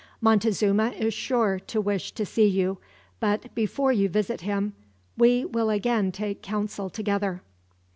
"Montezuma is sure to wish to see you, but before you visit him, we will again take counsel together."